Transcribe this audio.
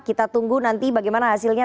kita tunggu nanti bagaimana hasilnya